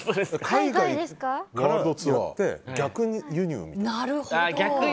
海外からやって逆輸入みたいな。